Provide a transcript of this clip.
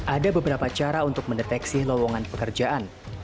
ada beberapa cara untuk mendeteksi lowongan pekerjaan